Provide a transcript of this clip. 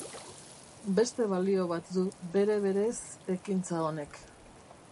Beste balio bat du, bere-berez, ekintza honek.